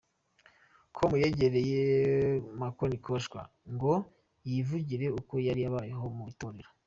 com yegereye Makonikoshwa ngo yivugire uko yari abayeho mu itorero.